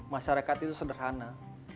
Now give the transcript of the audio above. masyarakat itu sederhana